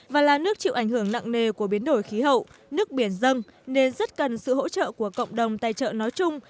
và là nước chịu ảnh hưởng nặng nề của biến đổi khí hậu nước biển dâng nên rất cần sự hỗ trợ của cộng đồng tài trợ nói chung